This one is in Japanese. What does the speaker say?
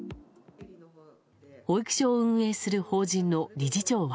保育所を運営する法人の理事長は。